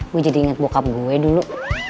gue jadi ingat bokap gue dulu